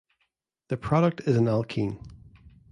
The product is an alkene.